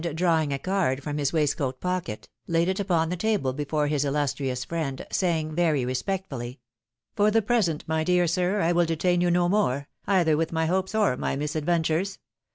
drawing a card from his waistcoat pocket, laid it upon the table before his illustrious friend, saying, very respectfully, " For the present, my dear sir, I will detain you no more, either with my hopes or my mis adventures.